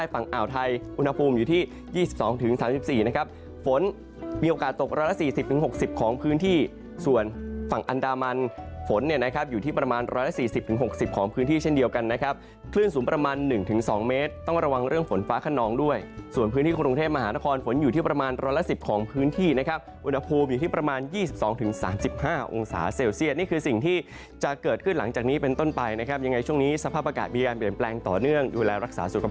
ฝนตกร้อนละ๔๐๖๐ของพื้นที่เช่นเดียวกันนะครับคลื่นสูงประมาณ๑๒เมตรต้องระวังเรื่องฝนฟ้าขนองด้วยส่วนพื้นที่กรุงเทพมหานครฝนอยู่ที่ประมาณร้อนละ๑๐ของพื้นที่นะครับอุณหภูมิอยู่ที่ประมาณ๒๒๓๕องศาเซลเซียสนี่คือสิ่งที่จะเกิดขึ้นหลังจากนี้เป็นต้นไปนะครับยังไงช่วงนี้สภาพอากาศ